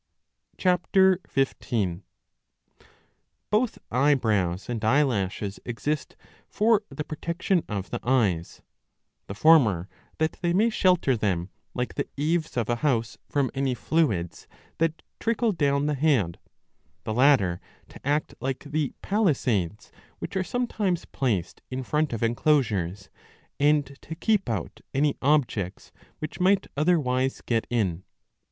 '*' (Ch. 15.^ Both eyebrows and eyelashes exist for the pro tection of the eyes ; the former that they may shelter them, like the eaves of a house, from any fluids that trickle down the head ;^ the latter to act like the palisades which are sometimes placed in front of enclosures, and to keep out any objects which might otherwise get in.